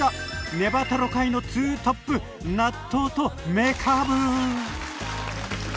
ネバトロ界の２トップ納豆とめかぶ。